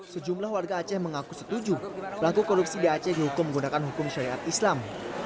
sejumlah warga aceh mengaku setuju pelaku korupsi di aceh dihukum menggunakan hukum syariat islam